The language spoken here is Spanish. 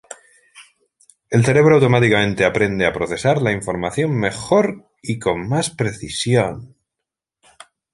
El cerebro automáticamente aprende a procesar la información mejor y con más precisión.